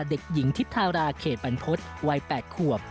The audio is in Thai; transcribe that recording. เด็กหญิงทิพธาราเขตบรรพฤษวัย๘ขวบ